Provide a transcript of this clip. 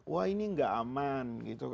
wah ini gak aman